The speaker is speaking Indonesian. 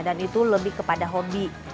dan itu lebih kepada hobi